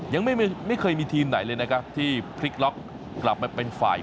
ยังไม่เคยมีทีมไหนเลยนะครับที่พลิกล็อกกลับมาเป็นฝ่าย